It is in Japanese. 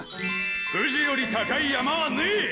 富士より高い山はねェ！！